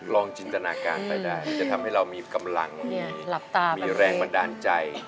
จินตนาการไปได้จะทำให้เรามีกำลังมีแรงบันดาลใจ